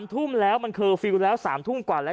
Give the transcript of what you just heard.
ทุ่มแล้วมันเคอร์ฟิลล์แล้ว๓ทุ่มกว่าแล้ว